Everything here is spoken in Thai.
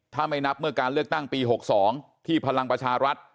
ถ้าไม่นับเมื่อการเลือกตั้งปี๖๒ที่พลังประชารัฐ